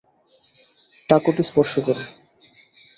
টাকুটি স্পর্শ করো।